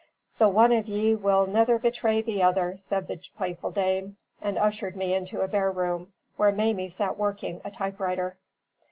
"The one of ye will niver bethray the other," said the playful dame, and ushered me into a bare room, where Mamie sat working a type writer.